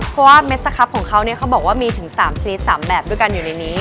เพราะว่าเม็ดสครับของเขาเนี่ยเขาบอกว่ามีถึง๓ชนิด๓แบบด้วยกันอยู่ในนี้